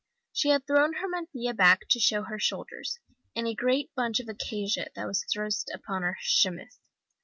She had thrown her mantilla back, to show her shoulders, and a great bunch of acacia that was thrust into her chemise.